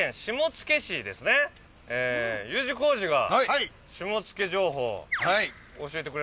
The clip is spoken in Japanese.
Ｕ字工事が下野情報を教えてくれるんですね。